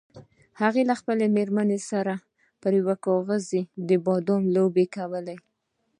هغه له خپلې میرمنې سره پر کاغذي بادامو لوبه کوله.